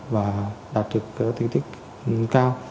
và đạt được tính tích cao